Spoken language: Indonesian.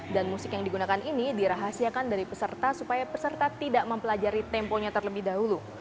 dan musik yang digunakan ini dirahasiakan dari peserta supaya peserta tidak mempelajari temponya terlebih dahulu